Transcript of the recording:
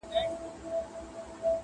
لکه پتڼ وزر مي وړمه د سره اور تر کلي!